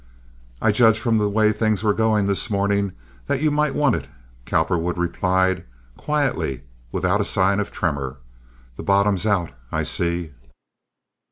"I judged from the way things were going this morning that you might want it," Cowperwood replied, quietly, without sign of tremor. "The bottom's out, I see."